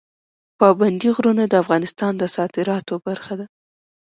پابندی غرونه د افغانستان د صادراتو برخه ده.